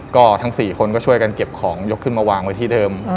ก็ทั้ง๔คนก็ช่วยกันเก็บของยกขึ้นมาวางไว้ที่เดิม